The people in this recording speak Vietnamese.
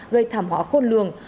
gây thảm họa khốt lường